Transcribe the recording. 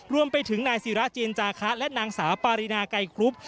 รวมไปถึงนายศิราเจนจาคะและนางสาวปารินาไกรครุบ